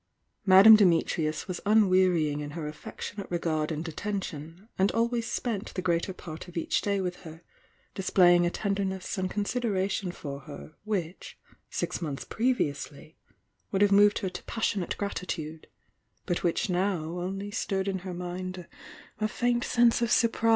Madame Dimi trius was unwearying in her affectionate regard and attention, and always spent the greater part of each day with her, displaying a tenderness and considera tion for her which six months previously would have moved her to psseionate gratitude, but which now ouly stirred in her mind a faint sense of surprise.